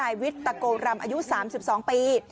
นายไวทตะโกรมอายุสามสิบสองปี